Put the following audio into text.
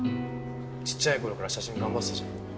ちっちゃい頃から写真頑張ってたじゃん。